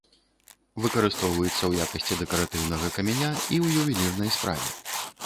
Выкарыстоўваецца ў якасці дэкаратыўнага каменя і ў ювелірнай справе.